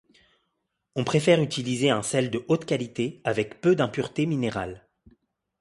On préfère utiliser un sel de haute qualité avec peu d'impuretés minérales.